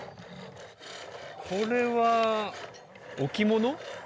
これは置物？